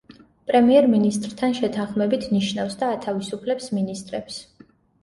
პრემიერ-მინისტრთან შეთანხმებით ნიშნავს და ათავისუფლებს მინისტრებს.